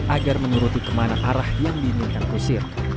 agar menuruti kemana arah yang diinginkan kusir